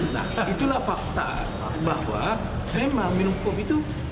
nah itulah fakta bahwa tema minum kopi itu